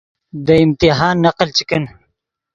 دے امتحان نقل چے کن